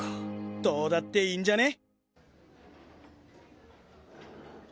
どうだっていいんじゃね！